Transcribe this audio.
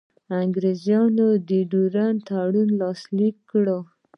انګرېزانو د ډیورنډ تړون لاسلیک کړ.